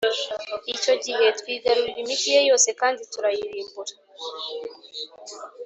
icyo gihe twigarurira imigi ye yose kandi turayirimbura,+